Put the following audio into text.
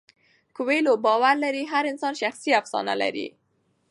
کویلیو باور لري هر انسان شخصي افسانه لري.